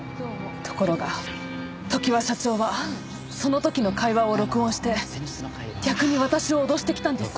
ところが常盤社長はその時の会話を録音して逆に私を脅してきたんです。